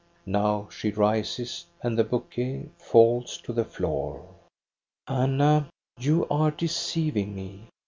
Now she rises, and the bouquet falls to the floor. ''Anna, you are deceiving me.